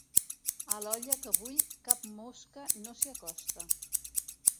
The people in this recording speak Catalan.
A l'olla que bull cap mosca no s'hi acosta.